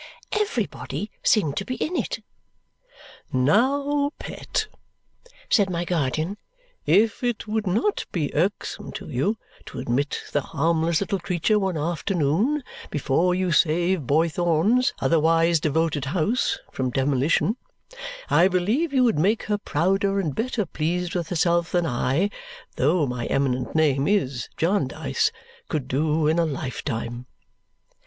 Everybody seemed to be in it! "Now, pet," said my guardian, "if it would not be irksome to you to admit the harmless little creature one afternoon before you save Boythorn's otherwise devoted house from demolition, I believe you would make her prouder and better pleased with herself than I though my eminent name is Jarndyce could do in a lifetime."